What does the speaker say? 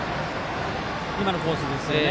今のコースですよね。